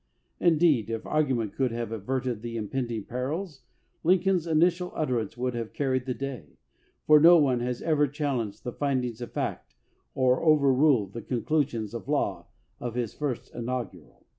Indeed, if argument could have averted the impending perils, Lincoln's initial utterance would have carried the day, for no one has ever challenged the findings of fact or overruled the conclusions of law of his first inaugural.